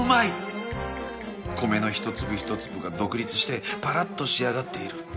米の一粒一粒が独立してぱらっと仕上がっている